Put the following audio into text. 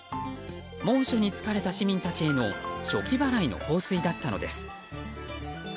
猛暑に疲れた市民たちへの暑気払いの放水だったのです。